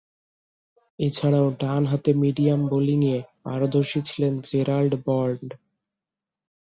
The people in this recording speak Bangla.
এছাড়াও, ডানহাতে মিডিয়াম বোলিংয়ে পারদর্শী ছিলেন জেরাল্ড বন্ড।